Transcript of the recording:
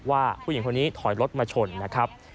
ว่าผู้หญิงคนนี้ถอยรถมาชนนะครับ